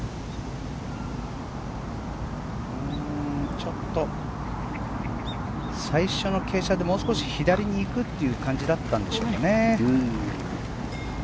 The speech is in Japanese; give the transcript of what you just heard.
ちょっと最初の傾斜でもう少し左に行くという感じだったんでしょうね。